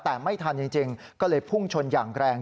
แต่ไม่ทันจริงก็เลยพุ่งชนอย่างแรง